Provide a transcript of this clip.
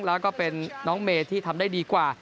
แล้วก็เป็นน้องเมย์ที่ทำได้ดีกว่า